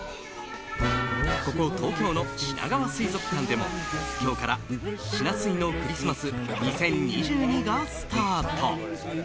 ここ東京のしながわ水族館でも今日からしな水のクリスマス２０２２がスタート。